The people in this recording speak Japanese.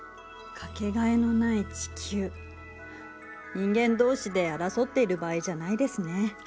人間同士で争っている場合じゃないですね。